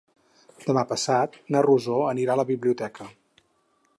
Demà passat na Rosó anirà a la biblioteca.